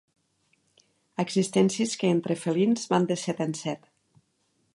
Existències que, entre felins, van de set en set.